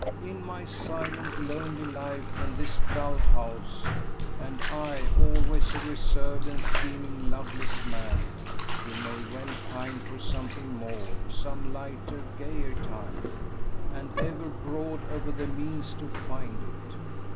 In my silent, lonely life, and this dull house and I always a reserved and seeming loveless man you may well pine for something more, some lighter, gayer time, and ever brood over the means to find it.